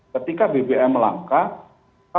ketika bbm langka